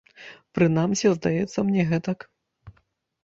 Прынамсі, здаецца мне гэтак.